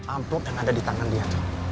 amplop yang ada di tangan dia